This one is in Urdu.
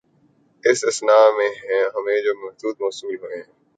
اس اثنا میں ہمیں جو خطوط موصول ہوئے ہیں